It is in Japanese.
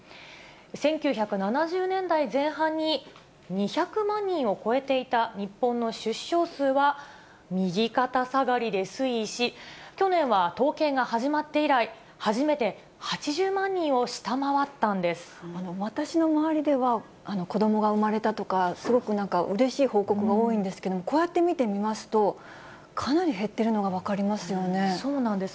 １９７０年代前半に２００万人を超えていた日本の出生数は右肩下がりで推移し、去年は統計が始まって以来、私の周りでは、子どもが産まれたとか、すごくなんかうれしい報告が多いんですけれども、こうやって見てみますと、かなり減ってるのが分かりますよそうなんです。